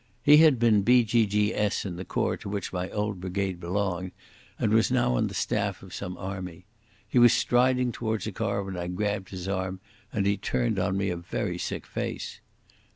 He had been B.G.G.S. in the corps to which my old brigade belonged, and was now on the staff of some army. He was striding towards a car when I grabbed his arm, and he turned on me a very sick face.